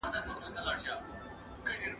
تاته د مجنون او د لیلی ژړا یادیږي؟